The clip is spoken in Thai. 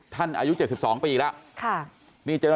ท่านอายุ๗๒ปีเนี่ย